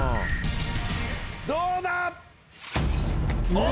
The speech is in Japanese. どうだ⁉お！